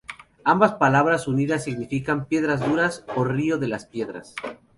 Ambas palabras unidas significan "piedras duras" o "río de las piedras".